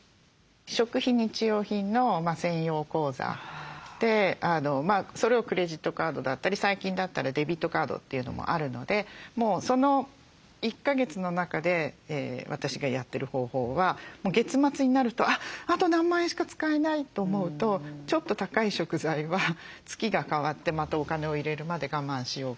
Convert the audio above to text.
食費日用品の専用口座でそれをクレジットカードだったり最近だったらデビットカードというのもあるので１か月の中で私がやってる方法は月末になると「あと何万円しか使えない」と思うとちょっと高い食材は月が替わってまたお金を入れるまで我慢しようかなとか。